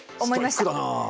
ストイックだなあ。